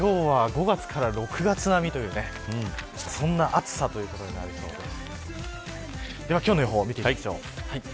今日は５月から６月並みというそんな暑さということになりそうです。